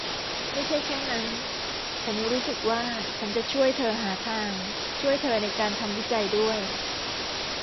ไม่ใช่แค่นั้น ฉันรู้สึกว่าฉันจะช่วยเธอหาทางช่วยเธอในการทำวิจัยด้วย